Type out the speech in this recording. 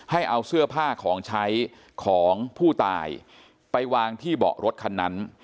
ให้เอาเสื้อผ้าของใช้ของผู้ตายไปวางที่เบาะรถคันนั้น